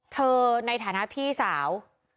ในฐานะพี่สาว